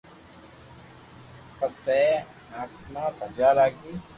پسي آٽتما بجوا لاگي